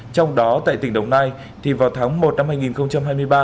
trong đó tại tỉnh đồng nai thì vào tháng một năm hai nghìn hai mươi ba